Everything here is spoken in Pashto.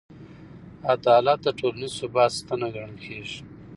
عدالت د ټولنیز ثبات ستنه ګڼل کېږي.